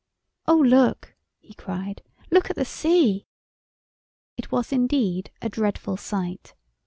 "Oh, look," he cried, "look at the sea." It was, indeed, a dreadful sight.